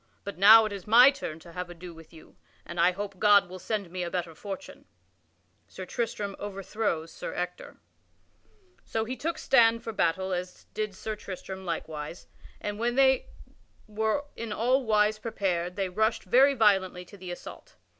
But now it is my turn to have ado with you, and I hope God will send me a better fortune." [Sidenote: Sir Tristram overthrows Sir Ector] So he took stand for battle as did Sir Tristram likewise, and when they were in all wise prepared they rushed very violently to the assault.